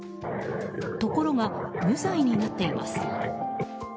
ところが、無罪になっています。